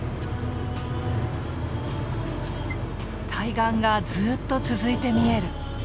対岸がずっと続いて見える。